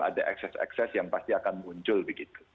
ada akses akses yang pasti akan muncul begitu